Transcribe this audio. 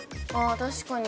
確かに。